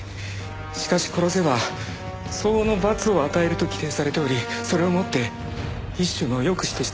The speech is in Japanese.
しかし殺せば相応の罰を与えると規定されておりそれをもって一種の抑止としているけれど。